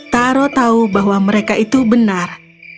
taro tahu bahwa mereka itu benar